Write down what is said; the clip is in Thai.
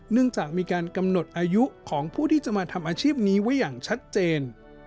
เนื่องจากมีการกำหนดอายุของผู้ที่จะมาทำอาชีพนี้ไว้อย่างชัดเจน